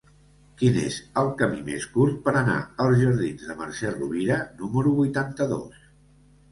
Quin és el camí més curt per anar als jardins de Mercè Rovira número vuitanta-dos?